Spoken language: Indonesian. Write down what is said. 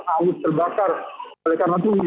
lapas kelas satu tangerang